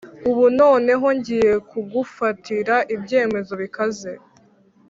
Ubu noneho ngiye kugufatira ibyemezo bikaze